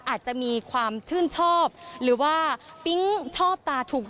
อาจจะมีความชื่นชอบหรือว่าปิ๊งชอบตาถูก